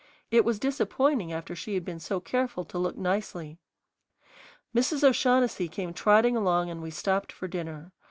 It was disappointing after she had been so careful to look nicely. Mrs. O'Shaughnessy came trotting along and we stopped for dinner.